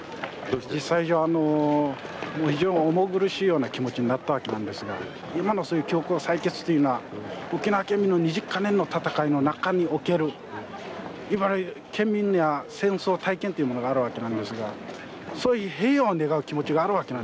実際あの非常に重苦しいような気持ちになったわけなんですが今のそういう強行採決というのは沖縄県民の２０か年の闘いの中におけるいわゆる県民には戦争体験というものがあるわけなんですがそういう平和を願う気持ちがあるわけなんですよ。